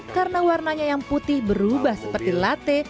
karena warnanya yang putih berubah seperti latte